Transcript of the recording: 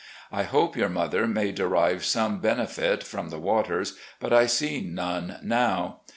I hope your mother may derive some benefit from the waters, but I see none now.